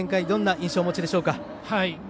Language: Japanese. どんな印象をお持ちでしょうか。